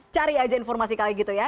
cari aja informasi kali gitu ya